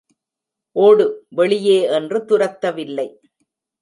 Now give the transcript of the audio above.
ஓடு, வெளியே என்று துரத்தவில்லை.